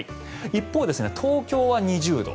一方、東京は２０度。